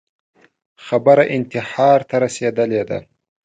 خبره انتحار ته رسېدلې ده